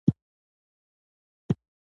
هغه د ملتان پر لور وخوځېدی.